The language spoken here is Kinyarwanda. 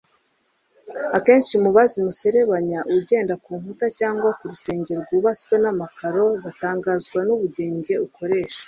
Abenshi muri bazi umuserebanya ugenda ku nkuta cyangwa ku rusenge rwubatwe n’amakaro batangazwa n’ubugenge ukoresha